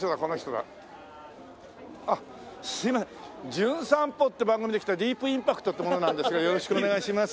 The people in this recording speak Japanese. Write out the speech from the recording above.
『じゅん散歩』って番組で来たディープインパクトって者なんですがよろしくお願いします。